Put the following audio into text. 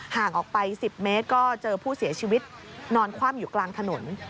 ห่างออกไป๑๐เมตรก็เจอผู้เสียชีวิตนอนคว่ำอยู่กลางถนน